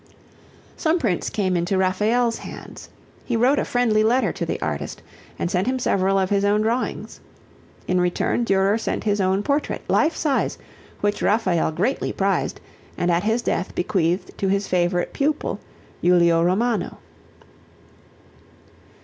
Some prints came into Raphael's hands. He wrote a friendly letter to the artist and sent him several of his own drawings. In return Durer sent his own portrait, life size, which Raphael greatly prized and at his death bequeathed to his favorite pupil, Julio Romano.